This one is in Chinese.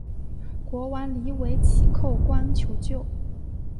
国王黎维祁叩关求救。